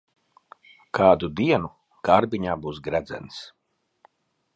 Kādu dienu kārbiņā būs gredzens.